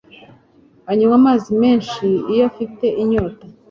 Anywa amazi menshi iyo afite inyota